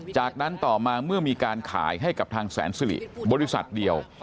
จากนั้นต่อมาเมื่อมีการขายให้กับทางแสนสิริบริษัทเดียว